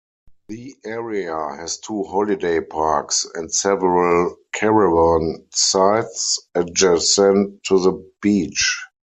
The area has two holiday parks and several caravan sites adjacent to the beach.